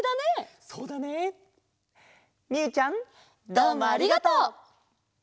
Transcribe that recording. どうもありがとう！